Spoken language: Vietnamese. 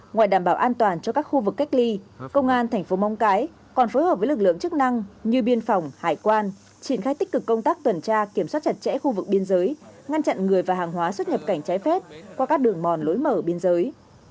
ngoài đảm bảo an toàn cho các khu vực cách ly công an thành phố móng cái còn phối hợp với lực lượng chức năng như biên phòng hải quan triển khai tích cực công tác tuần tra kiểm soát chặt chẽ khu vực biên giới ngăn chặn người và hàng hóa xuất nhập cảnh trái phép qua các đường mòn lối mở biên giới